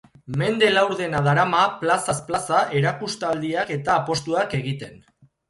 Mende laurdena darama plazaz plaza erakustaldiak eta apostuak egiten.